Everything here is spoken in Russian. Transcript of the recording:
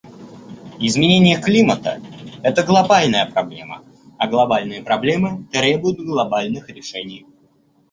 Изменение климата — это глобальная проблема, а глобальные проблемы требуют глобальных решений.